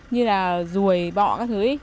như là rùi bọ các thứ ý